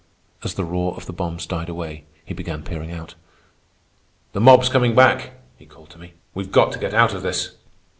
As the roar of the bombs died away, he began peering out. "The mob's coming back!" he called to me. "We've got to get out of this!"